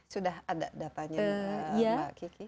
sudah ada datanya mbak kiki